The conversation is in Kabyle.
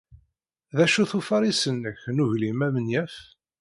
D acu-t ufaris-nnek n uglim amenyaf?